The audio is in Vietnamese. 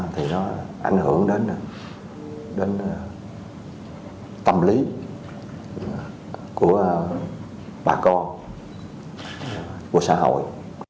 thì nó ảnh hưởng đến tâm lý của bà con của xã hội